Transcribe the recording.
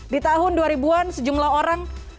di tahun dua ribu an sejumlah orang